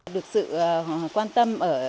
được sự quan tâm